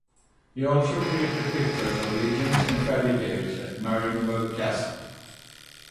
He also created pictures of legends and fairy tales at Marienburg Castle.